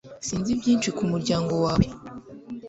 Sinzi byinshi ku muryango wawe